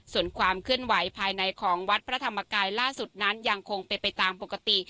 ส่วนความเคลื่อนไหวภายในของวัดพระธรรมกายล่าสุดนั้นยังคงเป็นไปตามปกติ